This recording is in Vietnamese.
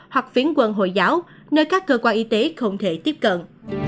hoặc phiến quân hồi giáo nơi các cơ quan y tế không thể tiếp cận